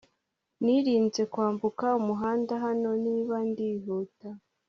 nirinze kwambuka umuhanda hano niba ndihuta